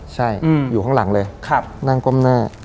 ใช่อยู่ข้างหลังเลยนั่งก้มหน้า